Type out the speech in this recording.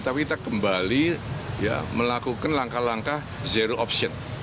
tapi kita kembali melakukan langkah langkah zero option